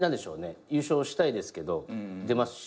優勝したいですけど出ますし。